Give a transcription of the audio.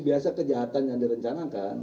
biasa kejahatan yang direncanakan